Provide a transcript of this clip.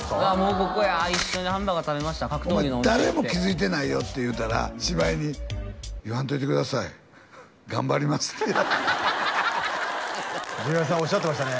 ここや一緒にハンバーガー食べました格闘技のお店行って誰も気付いてないよって言うたらしまいに「言わんといてください」「頑張ります」丈弥さんおっしゃってましたね